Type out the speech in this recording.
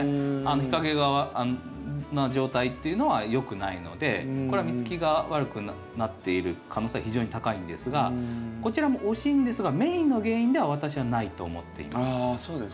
日陰の状態っていうのはよくないのでこれは実つきが悪くなっている可能性は非常に高いんですがこちらも惜しいんですがメインの原因では私はないと思っています。